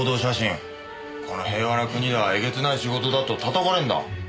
この平和な国ではえげつない仕事だと叩かれるんだ。